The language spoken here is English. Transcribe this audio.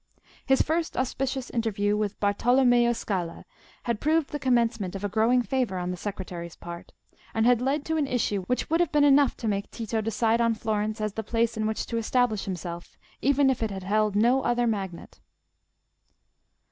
His first auspicious interview with Bartolommeo Scala had proved the commencement of a growing favour on the secretary's part, and had led to an issue which would have been enough to make Tito decide on Florence as the place in which to establish himself, even if it had held no other magnet.